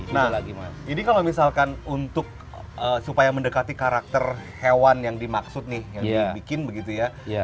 nah jadi kalau misalkan untuk supaya mendekati karakter hewan yang dimaksud nih yang dibikin begitu ya